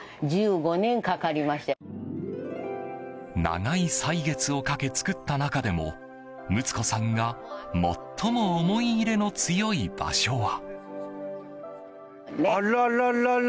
長い歳月をかけ、造った中でも睦子さんが最も思い入れの強い場所は。